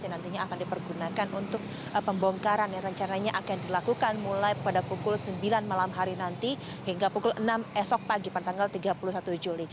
yang nantinya akan dipergunakan untuk pembongkaran yang rencananya akan dilakukan mulai pada pukul sembilan malam hari nanti hingga pukul enam esok pagi pada tanggal tiga puluh satu juli